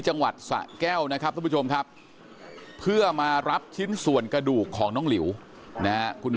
จังหวัดสะแก้วนะครับทุกผู้ชมครับเพื่อมารับชิ้นส่วนกระดูกของน้องหลิวนะฮะคุณ